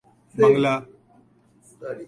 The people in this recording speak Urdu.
بنگلہ